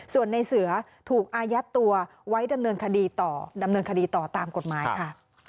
ส่วนในเสือถูกอายัดตัวไว้ดำเนินคดีต่อดำเนินคดีต่อตามกฎหมายค่ะ